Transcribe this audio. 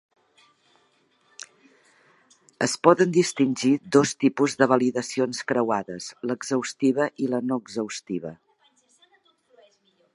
Es poden distingir dos tipus de validacions creuades l'exhaustiva i la no exhaustiva.